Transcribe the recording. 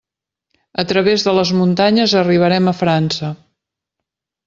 A través de les muntanyes arribarem a França.